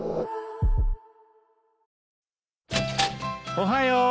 おはよう。